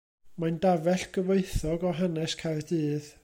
Mae'n dafell gyfoethog o hanes Caerdydd.